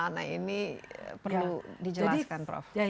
nah ini perlu dijelaskan prof